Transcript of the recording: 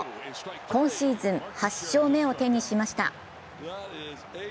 今シーズン８勝目を手にしました。